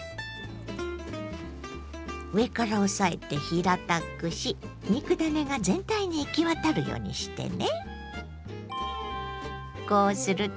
上から押さえて平たくし肉ダネが全体に行き渡るようにしてね。